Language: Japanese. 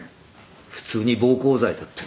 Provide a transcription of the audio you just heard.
普通に暴行罪だっての。